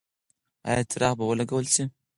ایا څراغ به ولګول شي؟